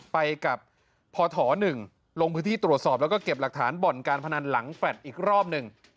ไปกับพถ๑ลงพื้นที่ตรวจสอบแล้วก็เก็บหลักฐานบ่อนการพนันหลังแฟลต์อีกรอบหนึ่ง